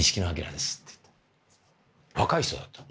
若い人だったの。